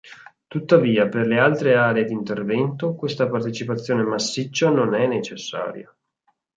Tuttavia, per le altre aree di intervento, questa partecipazione massiccia non è necessaria.